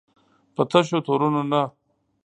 په تشو تورونو نه.